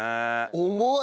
重い！